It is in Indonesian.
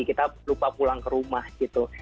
kita lupa pulang ke rumah gitu